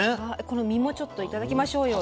この身もちょっと頂きましょうよ。